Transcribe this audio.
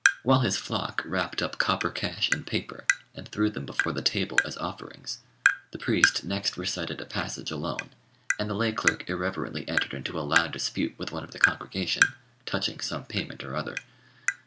While his flock wrapped up copper cash in paper, and threw them before the table as offerings, the priest next recited a passage alone, and the lay clerk irreverently entered into a loud dispute with one of the congregation, touching some payment or other.